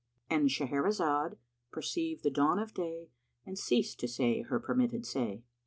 —And Shahrazad perceived the dawn of day and ceased to say her permitted say.